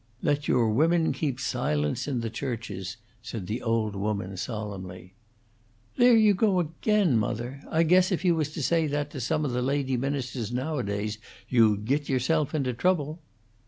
"Let your women keep silence in the churches," said the old woman, solemnly. "There you go again, mother! I guess if you was to say that to some of the lady ministers nowadays, you'd git yourself into trouble."